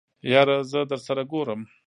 يره زه درسره ګورم.